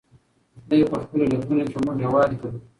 دی په خپلو لیکنو کې موږ یووالي ته بولي.